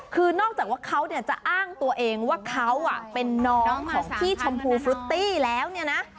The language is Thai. คือนอกจากว่าเขาจะอ้างตัวเองว่าเขาเป็นน้องของพี่ชมพูฟรุตตี้แล้วเนี่ยนะ